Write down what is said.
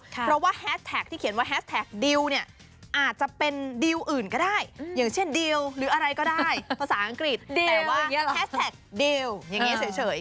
เพราะว่าแฮสแท็กที่เขียนว่าแฮสแท็กดิวเนี่ย